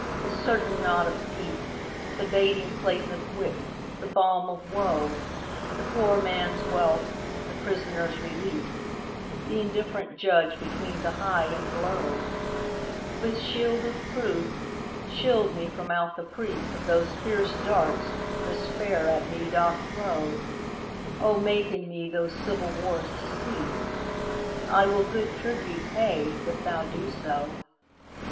the certain knot of peace, The baiting place of wit, the balm of woe, The poor man's wealth, the prisoner's release, Th' indifferent judge between the high and low; With shield of proof, shield me from out the preaseOf those fierce darts Despair at me doth throw:O make in me those civil wars to cease;I will good tribute pay, if thou do so.